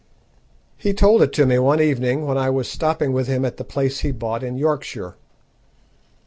He told it to me one evening when I was stopping with him at the place he bought in Yorkshire.